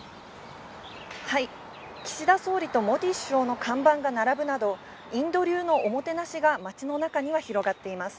岸田総理とモディ首相の看板が並ぶなど、インド流のおもてなしが街の中には広がっています。